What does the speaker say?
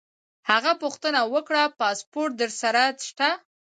هغه پوښتنه وکړه: پاسپورټ در سره شته؟